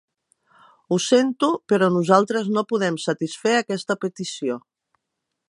Ho sento, però nosaltres no podem satisfer aquesta petició.